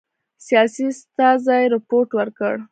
سیاسي استازي رپوټ ورکړ.